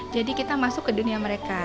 jadi kita masuk ke dunia mereka